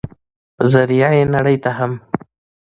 په ذريعه ئې نړۍ ته هم